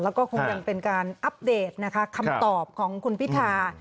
แล้วก็คงยังเป็นการอัปเดตนะคะคำตอบของคุณพิธา